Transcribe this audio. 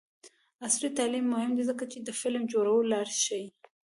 عصري تعلیم مهم دی ځکه چې د فلم جوړولو لارې ښيي.